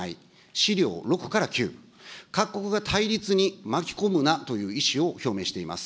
資料６から９、各国が対立に巻き込むなという意思を表明しています。